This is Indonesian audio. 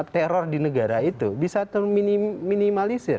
teror di negara itu bisa ter minimalisir